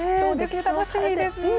楽しみです。